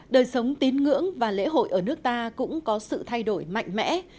đời sống tín ngưỡng và lễ hội ở nước ta cũng có sự thay đổi mạnh mẽ